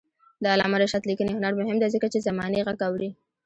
د علامه رشاد لیکنی هنر مهم دی ځکه چې زمانې غږ اوري.